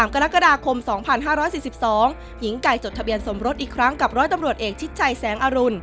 กรกฎาคม๒๕๔๒หญิงไก่จดทะเบียนสมรสอีกครั้งกับร้อยตำรวจเอกชิดชัยแสงอรุณ